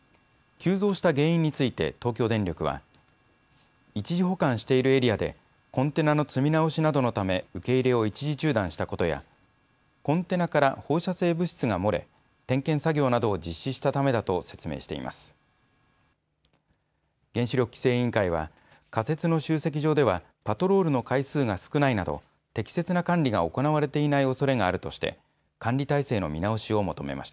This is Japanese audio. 急増した原因について東京電力は一時保管しているエリアでコンテナの積み直しなどのため受け入れを一時中断したことやコンテナから放射性物質が漏れ点検作業などを実施したためだと説明しています。